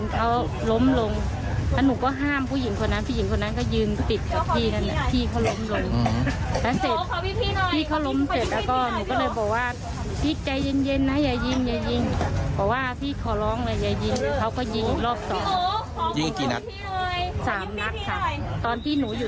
ฉันไปเรียกเจ๊ค่ะข้างหลังเขายิงอีกนักหนึ่ง